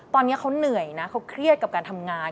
ตอนนี้เขาเหนื่อยนะเขาเครียดกับการทำงาน